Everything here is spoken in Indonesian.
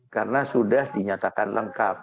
karena sudah dinyatakan lengkap